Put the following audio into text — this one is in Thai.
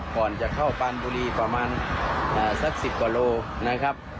ก่อนจะเข้าปานบุรีประมาณสัก๑๐กว่าโลนะครับ